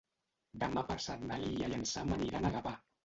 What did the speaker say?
Demà passat na Lia i en Sam aniran a Gavà.